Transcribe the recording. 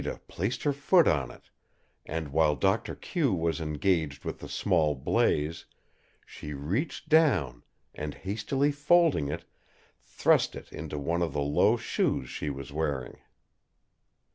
Zita placed her foot on it, and, while Doctor Q was engaged with the small blaze, she reached down and, hastily folding it, thrust it into one of the low shoes she was wearing.